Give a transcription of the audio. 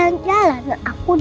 rena itu anak kandung aku